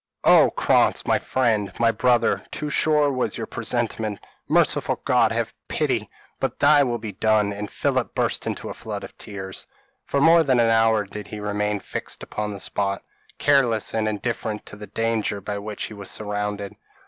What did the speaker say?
"Oh! Krantz, my friend my brother too sure was your presentiment. Merciful God! have pity but thy will be done;" and Philip burst into a flood of tears. For more than an hour did he remain fixed upon the spot, careless and indifferent to the danger by which he was surrounded.